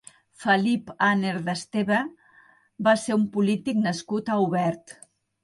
Felip Aner d'Esteve va ser un polític nascut a Aubèrt.